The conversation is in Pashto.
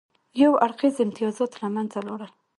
یو اړخیز امتیازات له منځه لاړل.